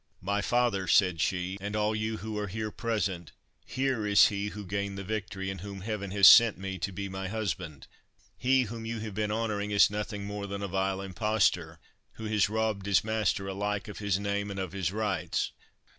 "My father," said she, "and all you who are here present, here is he who gained the victory, and whom Heaven has sent me to be my husband. He whom you have been honouring is nothing more than a vile impostor, who has robbed his master alike of his name and of his rights.